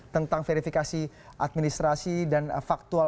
tentang verifikasi administrasi dan faktual